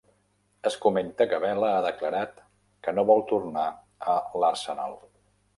Es comenta que Vela ha declarat que no vol tornar a l'Arsenal.